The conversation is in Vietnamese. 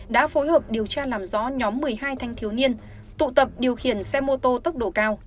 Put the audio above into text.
đã phối hợp điều tra làm rõ nhóm một mươi hai thanh thiếu niên tụ tập điều khiển xe mô tô tốc độ cao